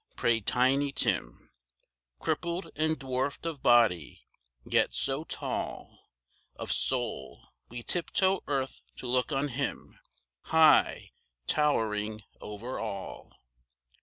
" prayed Tiny Tim, Crippled, and dwarfed of body, yet so tall Of soul, we tiptoe earth to look on him, High towering over all.